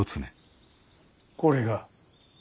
これが？